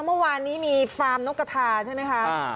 เมื่อวานนี้มีฟาร์มนกกระทาใช่ไหมคะ